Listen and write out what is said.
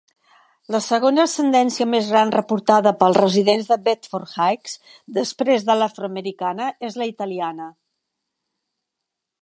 La segona ascendència més gran reportada pels residents de Bedford Heights, després de l'afroamericana, és la italiana.